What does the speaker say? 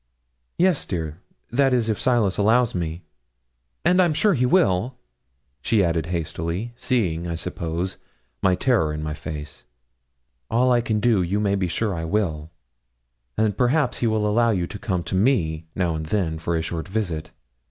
'Yes, dear; that is if Silas allows me; and I'm sure he will,' she added hastily, seeing, I suppose, my terror in my face. 'All I can do, you may be sure I will, and perhaps he will allow you to come to me, now and then, for a short visit.